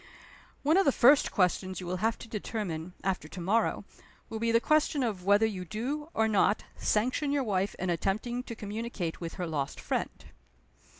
One of the first questions you will have to determine, after to morrow, will be the question of whether you do, or not, sanction your wife in attempting to communicate with her lost friend."